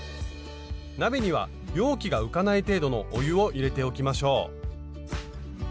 鍋には容器が浮かない程度のお湯を入れておきましょう。